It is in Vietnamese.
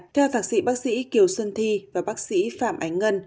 theo thạc sĩ bác sĩ kiều xuân thi và bác sĩ phạm ánh ngân